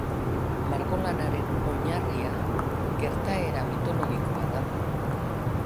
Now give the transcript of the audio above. Margolanaren oinarria gertaera mitologikoa da.